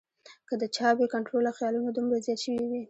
کۀ د چا بې کنټروله خیالونه دومره زيات شوي وي